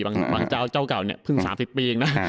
บางเจ้าเจ้าเก่าเนี่ยเพิ่ง๓๐ปีเองนะ